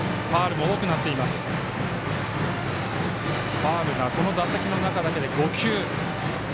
ファウルがこの打席の中だけで５球。